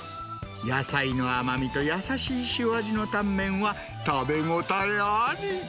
野菜の甘みと優しい塩味のタンメンは、食べ応えあり。